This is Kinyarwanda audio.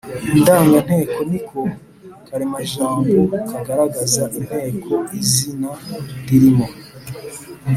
indanganteko ni ko karemajambo kagaragaza inteko izina ririmo.